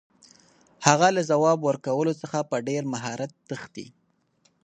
هغه له ځواب ورکولو څخه په ډېر مهارت تښتي.